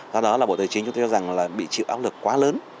do đó là bộ tài chính cho thấy rằng là bị chịu áo lực quá lớn